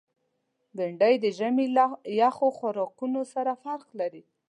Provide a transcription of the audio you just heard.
بېنډۍ د ژمي له یخو خوراکونو سره فرق لري